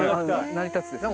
成り立つですね。